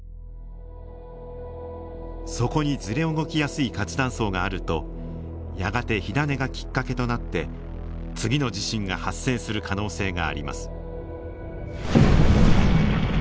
そこにずれ動きやすい活断層があるとやがて火種がきっかけとなって次の地震が発生する可能性があります。